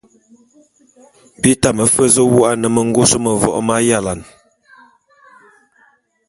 Bi tame fe zu wôk ane mengôs mevok m'ayalane.